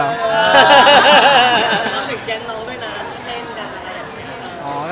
น้องถึงแกงน้องด้วยนะ